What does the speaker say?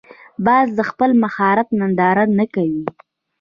باز د خپل مهارت ننداره نه کوي